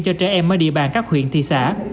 cho trẻ em ở địa bàn các huyện thị xã